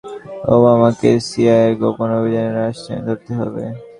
প্রথমত, মার্কিন president Barack ওবামাকে সিআইএর গোপন অভিযানের রাশ টেনে ধরতে হবে।